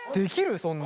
そんなん。